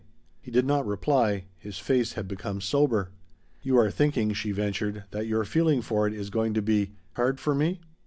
He did not reply; his face had become sober. "You are thinking," she ventured, "that your feeling for it is going to be hard for me?"